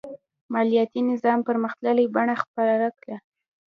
مالیاتي نظام پرمختللې بڼه خپله کړه.